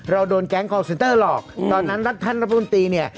โดนแก๊งคอลเซนเตอร์หลอกตอนนั้นรัฐท่านรัฐมนตรีเนี่ย